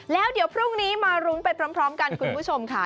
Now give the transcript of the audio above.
แล้วเดี๋ยวพรุ่งนี้มารุ้นไปพร้อมกันคุณผู้ชมค่ะ